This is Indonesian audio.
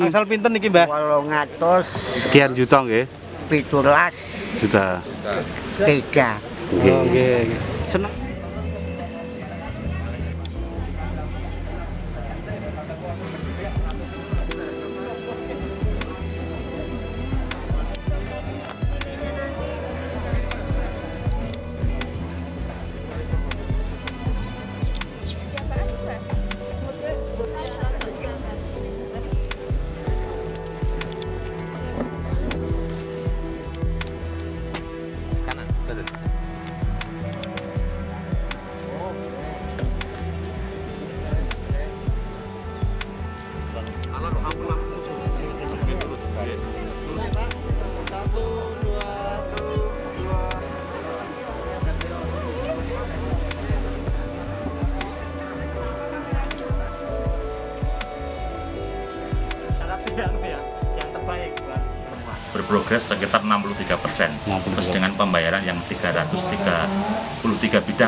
kami berdua kami berdua kita berdua kita berdua kita berdua